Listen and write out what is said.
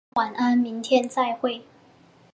大家晚安，明天再会。